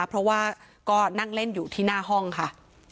เพราะว่าก็นั่งเล่นอยู่ที่หน้าห้องค่ะ